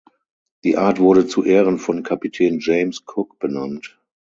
Die Art wurde zu Ehren von Kapitän James Cook benannt.